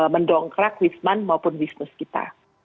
mendongkrak wisman maupun bisnis kita